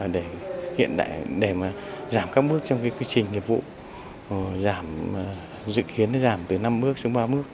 để giảm các bước trong quy trình nghiệp vụ